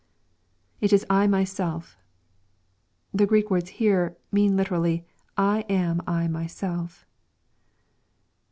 [It is I myself.] The Q reek words here mean literally, "I am I myself."